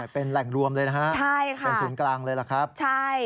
เป็นแหล่งรวมเลยนะฮะใช่ค่ะเป็นศูนย์กลางเลยล่ะครับใช่